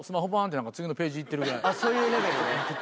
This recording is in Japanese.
あっそういうレベルで。